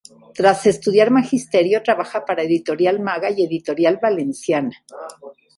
Tras estudiar magisterio, trabaja para Editorial Maga y Editorial Valenciana.